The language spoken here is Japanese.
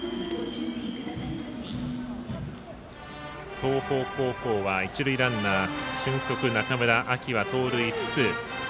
東邦高校は一塁ランナー俊足、中村、秋は盗塁５つ。